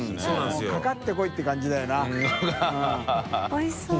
おいしそう。